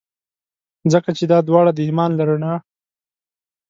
ځکه چي دا داوړه د ایمان له رڼا.